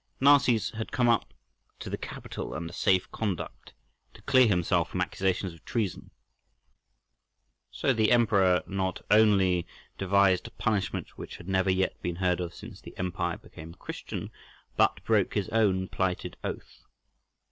Narses had come up to the capital under safe conduct to clear himself from accusations of treason: so the Emperor not only devised a punishment which had never yet been heard of since the empire became Christian, but broke his own plighted oath.